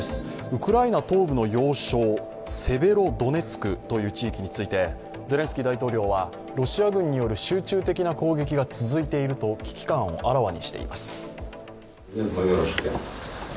ウクライナ東部の要衝セベロドネツクという地域について、ゼレンスキー大統領はロシア軍による集中的な攻撃が続いていると危機感をあらわにしています。